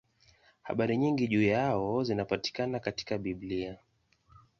Habari nyingi juu yao zinapatikana katika Biblia.